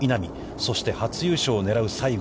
そして初優勝を狙う西郷。